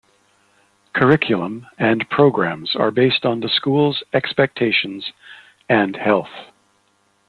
Curriculum and programs are based on the school's expectations and health.